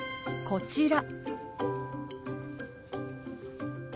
こちら。